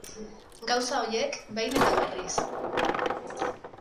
Gauza horiek behin eta berriz.